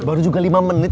baru juga lima menit